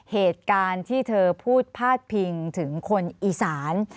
เหตุการณ์ที่เธอพูดพาดพิงถึงคนอีสาน